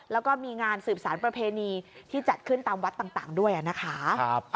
แล้วก็มีงานสืบสารประเพณีที่จัดขึ้นตามวัดต่างด้วยนะคะ